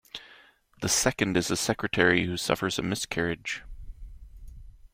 The second is a secretary who suffers a miscarriage.